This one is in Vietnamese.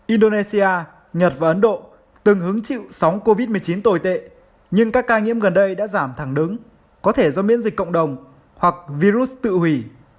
indonesia nhật và ấn độ từng hứng chịu sóng covid một mươi chín tồi tệ nhưng các ca nhiễm gần đây đã giảm thẳng đứng có thể do miễn dịch cộng đồng hoặc virus tự hủy